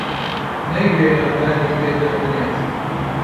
نەیوێرا دانی پێدا بنێت